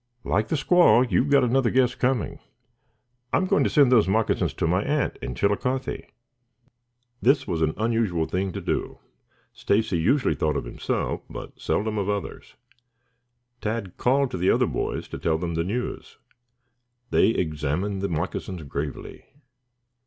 "Like the squaw, you've got another guess coming. I'm going to send those moccasins to my aunt in Chillicothe." This was an unusual thing to do. Stacy usually thought of himself, but seldom of others. Tad called to the other boys to tell them the news. They examined the moccasins gravely.